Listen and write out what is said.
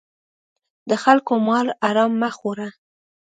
د خلکو مال حرام مه خوره.